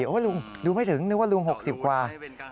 โอ้โหลุงดูไม่ถึงนึกว่าลุง๖๐กว่า